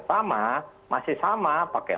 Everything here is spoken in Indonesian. sama masih sama pakai